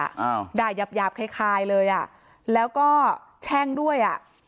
อ้าวด่ายาบหยาบคล้ายคายเลยอ่ะแล้วก็แช่งด้วยอ่ะ